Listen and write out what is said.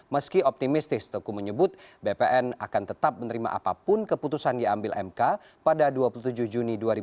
meski optimistis teku menyebut bpn akan tetap menerima apapun keputusan diambil mk pada dua puluh tujuh juni dua ribu dua puluh